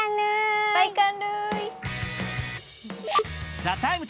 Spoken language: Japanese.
「ＴＨＥＴＩＭＥ，」